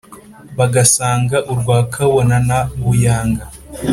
Bagasanga urwa Kabona na Buyanga